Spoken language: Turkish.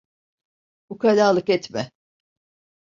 Ukalalık etme.